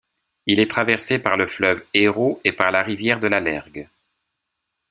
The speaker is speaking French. Il est traversé par le fleuve Hérault, et par la rivière de la Lergue.